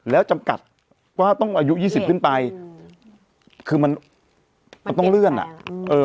แล้วจำกัดว่าต้องอายุยี่สิบขึ้นไปอืมคือมันมันต้องเลื่อนอ่ะเออ